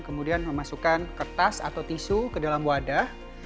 kemudian memasukkan kertas atau tisu ke dalam wadah